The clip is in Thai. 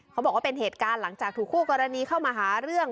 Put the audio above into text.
เขาบอกว่าเป็นเหตุการณ์หลังจากถูกคู่กรณีเข้ามาหาเรื่อง